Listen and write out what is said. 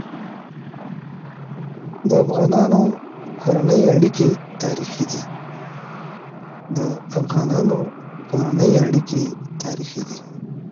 د افغانانو کورنی اړيکي تاریخي دي.